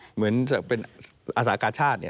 เหมือนจะเป็นอาสากาชาติเนี่ย